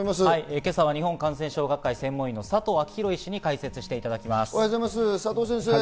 今朝は日本感染症学会専門医の佐藤昭裕医師に解説していただきます。